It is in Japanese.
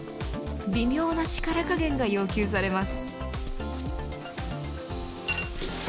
微妙な力加減が要求されます。